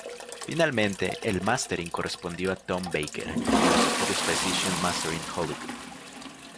Finalmente, el "mastering" correspondió a Tom Baker, en los estudios Precision Mastering de Hollywood.